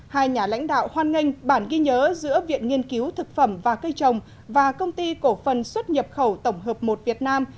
hai nhà lãnh đạo hoan nghênh bản ghi nhớ giữa viện nghiên cứu thực phẩm và cây trồng và công ty cổ phần xuất nhập khẩu tổng hợp một việt nam